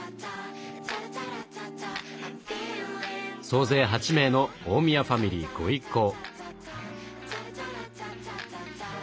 総勢８名の大宮ファミリー御一行。